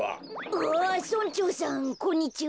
あ村長さんこんにちは。